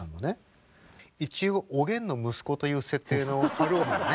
一応おげんの息子という設定の晴臣がね。